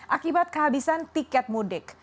akibat kehabisan tiket mudik